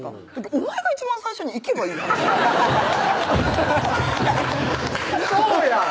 お前が一番最初に行けばいい話そうやん！